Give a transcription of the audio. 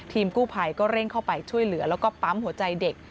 กู้ภัยก็เร่งเข้าไปช่วยเหลือแล้วก็ปั๊มหัวใจเด็ก